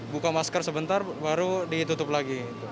buka masker sebentar baru ditutup lagi